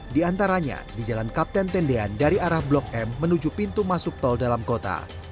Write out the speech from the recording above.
di antaranya di jalan kapten tendean dari arah blok m menuju pintu masuk tol dalam kota